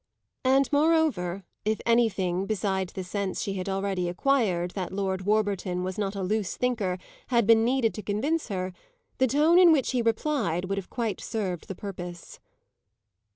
And, moreover, if anything beside the sense she had already acquired that Lord Warburton was not a loose thinker had been needed to convince her, the tone in which he replied would quite have served the purpose.